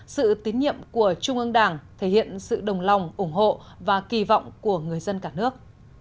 sự tín nhiệm của trung ương đảng thể hiện sự đồng lòng ủng hộ và kỳ vọng của người dân cả nước